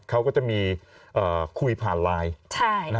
เขาก็จะมีคุยผ่านไลน์